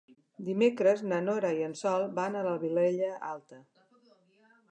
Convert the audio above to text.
Dimecres na Nora i en Sol van a la Vilella Alta.